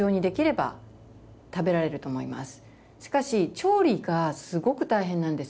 しかし調理がすごく大変なんですよ。